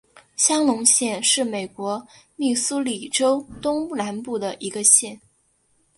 香农县是美国密苏里州东南部的一个县。